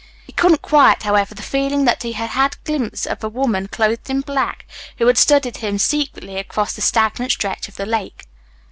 He couldn't quiet, however, the feeling that he had had a glimpse of a woman clothed in black who had studied him secretly across the stagnant stretch of the lake.